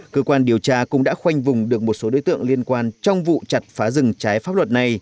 cơ quan điều tra cũng đã khoanh vùng được một số đối tượng liên quan trong vụ chặt phá rừng trái pháp luật này